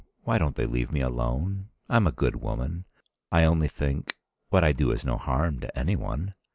Why don't they leave me alone? I'm a good woman. I only think. What I do is no harm to any one."